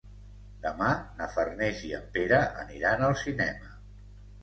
Demà na Farners i en Pere aniran al cinema.